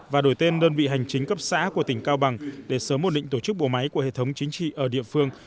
và đổi tên đơn vị hành chính cấp xã của tỉnh cao bằng để sớm một lĩnh tổ chức bộ máy của hệ thống chính trị ở địa phương